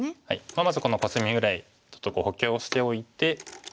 まずはこのコスミぐらいちょっと補強しておいて。